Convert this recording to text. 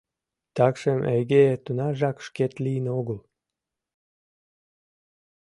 Такшым Эйге тунаржак шкет лийын огыл.